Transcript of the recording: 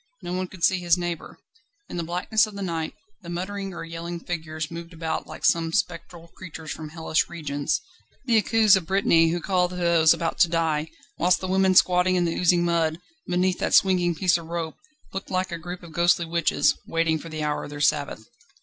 No one could see his neighbour. In the blackness of the night the muttering or yelling figures moved about like some spectral creatures from hellish regions the Akous of Brittany who call to those about to die; whilst the women squatting in the oozing mud, beneath that swinging piece of rope, looked like a group of ghostly witches, waiting for the hour of their Sabbath.